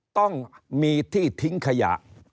ต้องมีที่ทิ้งขยะ